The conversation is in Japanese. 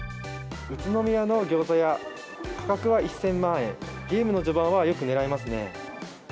宇都宮のギョーザ屋、価格は１０００万円、ゲームの序盤はよくねらいますね。